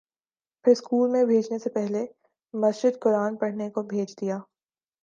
پھر اسکول میں بھیجنے سے پہلے مسجد قرآن پڑھنے کو بھیج دیا